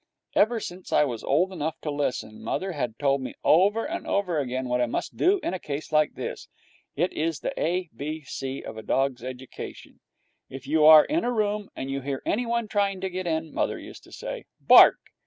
Ever since I was old enough to listen, mother had told me over and over again what I must do in a case like this. It is the A B C of a dog's education. 'If you are in a room and you hear anyone trying to get in,' mother used to say, 'bark.